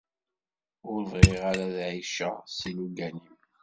Ur bɣiɣ ara ad ɛiceɣ s ilugan-im